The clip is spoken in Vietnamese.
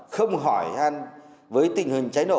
không hỏi với tình hình cháy nổ